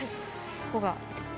ここが。